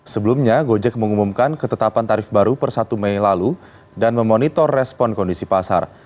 sebelumnya gojek mengumumkan ketetapan tarif baru per satu mei lalu dan memonitor respon kondisi pasar